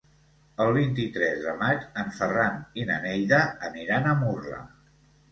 El vint-i-tres de maig en Ferran i na Neida aniran a Murla.